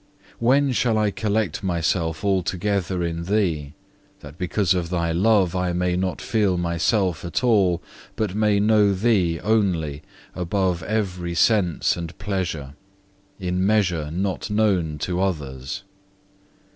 When shall I collect myself altogether in Thee, that because of Thy love I may not feel myself at all, but may know Thee only above every sense and measure, in measure not known to others.